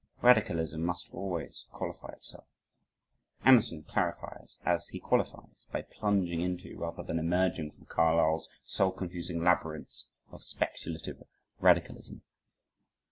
Radicalism must always qualify itself. Emerson clarifies as he qualifies, by plunging into, rather than "emerging from Carlyle's soul confusing labyrinths of speculative radicalism."